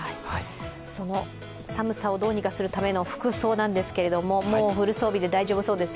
その寒さをどうにかするための服装なんですけれども、もうフル装備で大丈夫そうですよ。